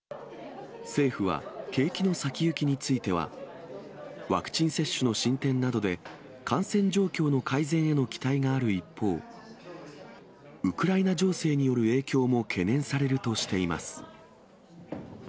政府は、景気の先行きについては、ワクチン接種の進展などで、感染状況の改善への期待がある一方、ウクライナ情勢による影響も懸念されるとしています。